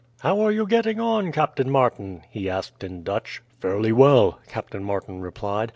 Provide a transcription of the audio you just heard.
"How are you getting on, Captain Martin?" he asked in Dutch. "Fairly well," Captain Martin replied.